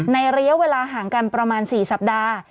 ระยะเวลาห่างกันประมาณ๔สัปดาห์